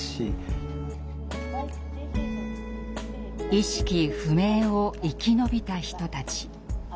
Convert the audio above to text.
「意識不明」を生きのびた人たち。